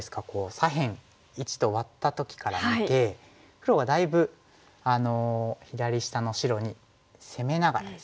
左辺①とワッた時から見て黒はだいぶ左下の白に攻めながらですね。